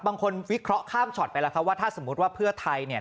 วิเคราะห์ข้ามช็อตไปแล้วครับว่าถ้าสมมุติว่าเพื่อไทยเนี่ย